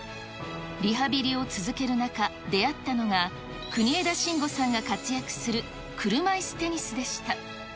リハビリを続ける中、出会ったのが、国枝慎吾さんが活躍する車いすテニスでした。